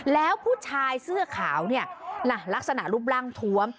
แล้วผู้ชายเสื้อขาวเนี่ยล่ะลักษณะรูปร่างทวม